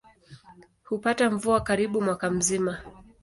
Hupata mvua karibu mwaka mzima.